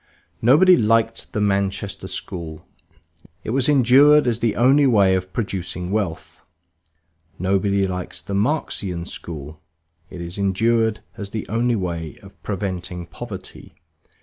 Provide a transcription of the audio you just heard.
Nobody liked the Manchester School; it was endured as the only way of producing wealth. Nobody likes the Marxian school; it is endured as the only way of preventing poverty.